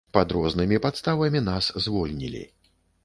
Пад рознымі падставамі нас звольнілі.